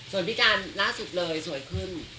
ส่วนพี่การล่าสุดเลยสวยขึ้น